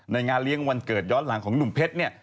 งานเลี้ยงวันเกิดย้อนหลังของหนุ่มเพชรเนี่ย